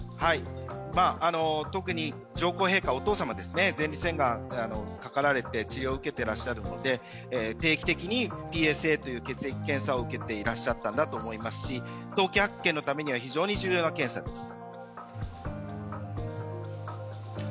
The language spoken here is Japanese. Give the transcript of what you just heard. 特に上皇陛下、お父様、前立腺がんかかられて治療を受けてらっしゃるので、定期的にＰＳＡという血液検査を受けてらっしゃったんだと思いますし早期発見のためには非常に重要な検査です。